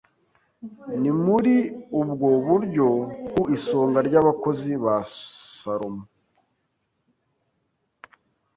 Ni muri ubwo buryo ku isonga ry’abakozi ba Salomo